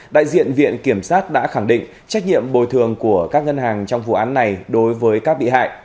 đại diện viện kiểm sát đã khẳng định trách nhiệm bồi thường của các ngân hàng trong vụ án này đối với các bị hại